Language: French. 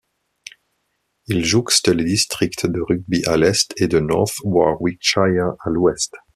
Il jouxte les districts de Rugby à l'est et de North Warwickshire à l'ouest.